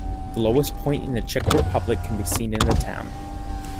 The lowest point in the Czech Republic can be seen in the town.